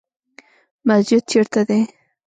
مسجد چیرته دی؟